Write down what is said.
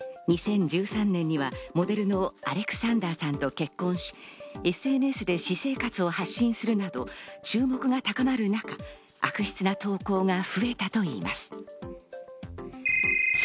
２０１３年にはモデルのアレクサンダーさんと結婚し、ＳＮＳで私生活を発信するなど、注目が高まる中、悪質な投稿が増えたといいます。